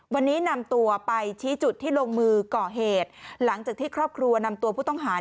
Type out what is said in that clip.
วันนี้นำตัวไปชี้จุดที่ลงมือก่อเหตุหลังจากที่ครอบครัวนำตัวผู้ต้องหา